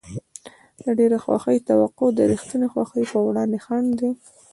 د ډېرې خوښۍ توقع د رښتینې خوښۍ په وړاندې خنډ دی.